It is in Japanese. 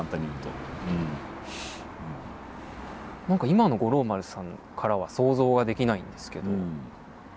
何か今の五郎丸さんからは想像ができないんですけど。